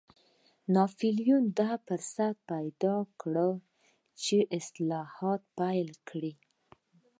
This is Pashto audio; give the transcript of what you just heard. ناپلیون دا فرصت پیدا کړ چې اصلاحات پلي کړي.